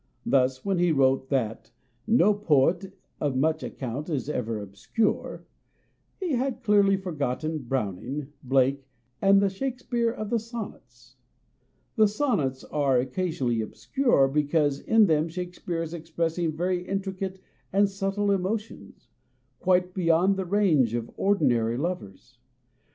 Thus when he wrote that " no poet of much account is ever 236 MONOLOGUES obscure " he had clearly forgotten Browning, Blake, and the Shakespeare of the Sonnets. The Sonnets are occasionally obscure because in them Shakespeare is expressing very intricate and subtle emotions, quite beyond the range of ordinary lovers.